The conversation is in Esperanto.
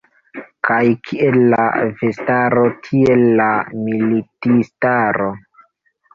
Kaj kiel la vestaro, tiel la militistaro.